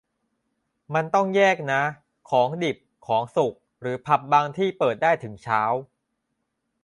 มันต้องแยกนะ ของดิบ ของสุก หรือผับบางที่เปิดได้ถึงเช้า